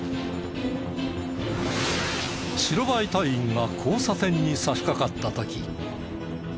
白バイ隊員が交差点に差し掛かった時。